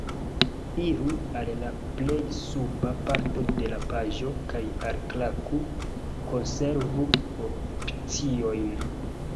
Iru al la plej suba parto de la paĝo kaj alklaku "konservu opciojn"